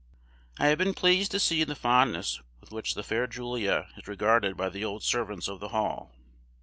I have been pleased to see the fondness with which the fair Julia is regarded by the old servants of the Hall.